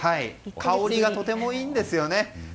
香りがとてもいいんですよね。